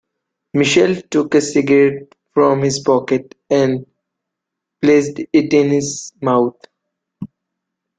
Michael took a cigarette from his pocket and placed it in his mouth.